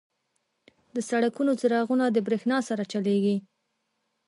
• د سړکونو څراغونه د برېښنا سره چلیږي.